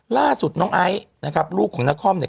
ล่าสุดน้องไอ้ลูกของนักคอมเนี่ย